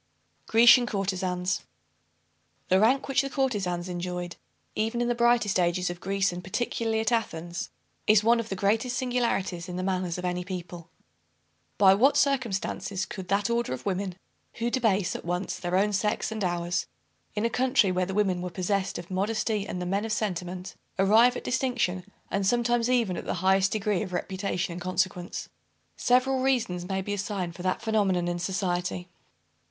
GRECIAN COURTEZANS. The rank which the courtezans enjoyed, even in the brightest ages of Greece, and particularly at Athens, is one of the greatest singularities in the manners of any people. By what circumstances could that order of women, who debase at once their own sex and ours in a country where the women were possessed of modesty, and the men of sentiment, arrive at distinction, and sometimes even at the highest degree of reputation and consequence? Several reasons may be assigned for that phenomenon in society.